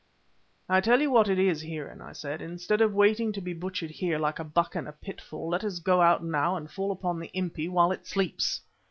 "I tell you what it is, Heeren," I said, "instead of waiting to be butchered here like buck in a pitfall, let us go out now and fall upon the Impi while it sleeps."